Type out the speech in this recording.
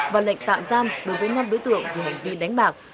và lệnh tạm giam đối với năm đối tượng về hành vi đánh bạc